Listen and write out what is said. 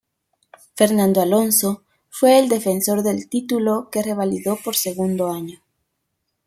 Fernando Alonso fue el defensor del título que revalidó por segundo año.